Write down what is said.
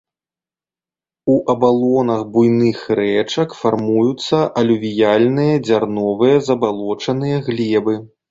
У абалонах буйных рэчак фармуюцца алювіяльныя дзярновыя забалочаныя глебы.